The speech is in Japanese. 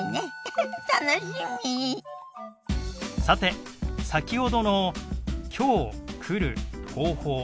さて先ほどの「きょう」「来る」「方法」